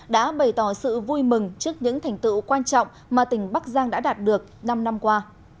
đã bày tỏ sự vui mừng trước những thành tựu quan trọng mà tỉnh bắc giang đã đạt được năm năm qua